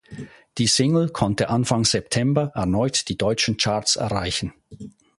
Die Single konnte Anfang September erneut die deutschen Charts erreichen.